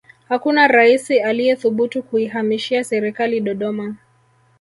hakuna raisi aliyethubutu kuihamishia serikali dodoma